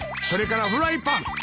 それからフライパン！